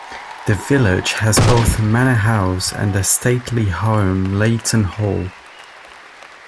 The village has both a manor house and a stately home Leighton Hall.